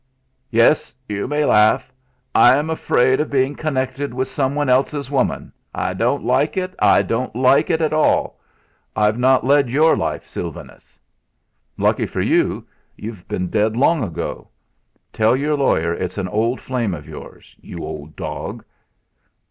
"Yes, you may laugh I am afraid of being connected with someone else's woman. I don't like it I don't like it at all. I've not led your life, Sylvanus." "Lucky for you; you'd have been dead long ago. Tell your lawyer it's an old flame of yours you old dog!"